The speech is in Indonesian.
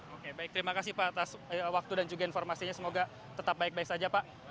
oke baik terima kasih pak atas waktu dan juga informasinya semoga tetap baik baik saja pak